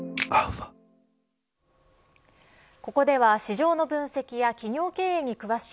ここでは市場の分析や企業経営に詳しい